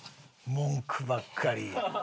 文句ばっかり。